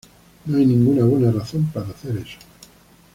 No hay ninguna buena razón para hacer eso.